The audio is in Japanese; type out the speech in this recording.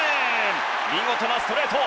見事なストレート。